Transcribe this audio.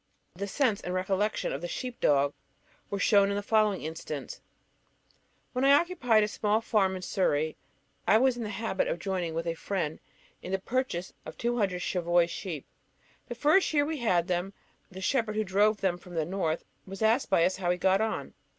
The sense and recollection of the sheep dog were shown in the following instance: When I occupied a small farm in Surrey, I was in the habit of joining with a friend in the purchase of two hundred Cheviot sheep. The first year we had them, the shepherd who drove them from the North was asked by us how he had got on.